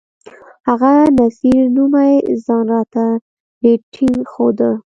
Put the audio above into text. هغه نذير نومي ځان راته ډېر ټينګ ښوده.